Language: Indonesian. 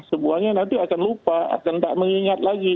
semuanya nanti akan lupa akan tak mengingat lagi